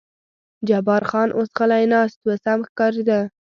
جبار خان اوس غلی ناست و، سم ښکارېده.